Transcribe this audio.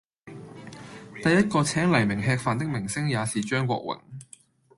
第一個請黎明吃飯的明星也是張國榮。